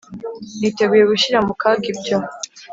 ] niteguye gushyira mu kaga ibyo.